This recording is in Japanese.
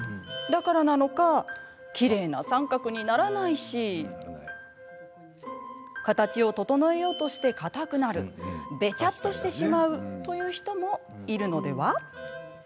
だからなのかきれいな三角にならないし形を整えようとしてかたくなるベチャッとしてしまうという人もいるのでは？